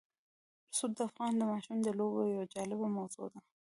رسوب د افغان ماشومانو د لوبو یوه جالبه موضوع ده.